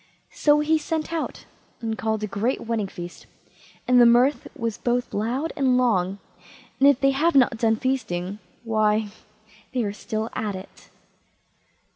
So he sent out, and called a great wedding feast, and the mirth was both loud and long, and if they have not done feasting, why, they are still at it.